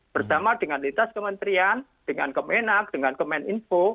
bersama dengan lintas kementerian dengan kemenak dengan kemeninfo